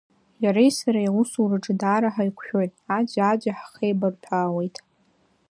Иареи сареи аусураҿы даара ҳаиқәшәоит, аӡәи-аӡәи ҳхеибарҭәаауеит.